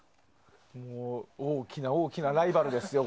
大きな大きなライバルですよ。